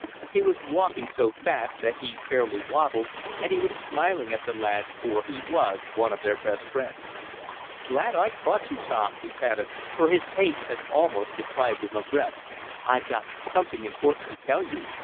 He was walking so fast that he fairly waddled, and he was smiling at the lads, for he was one of their best friends. "Glad I caught you, Tom." he panted, for his haste had almost deprived him of breath. "I've got something important to tell you.